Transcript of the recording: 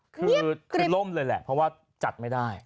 คือล่มเลยแหละเพราะว่าจัดไม่ได้